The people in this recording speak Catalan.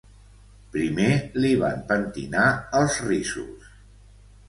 Primer li van pentinar els rissos